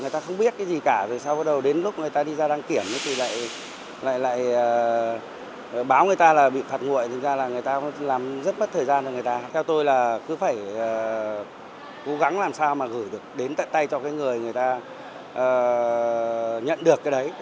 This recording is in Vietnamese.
theo tôi là cứ phải cố gắng làm sao mà gửi được đến tay cho người người ta nhận được cái đấy